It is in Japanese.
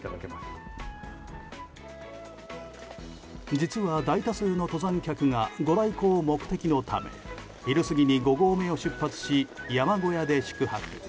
実は大多数の登山客がご来光を目的のため昼過ぎに５合目を出発し山小屋で宿泊。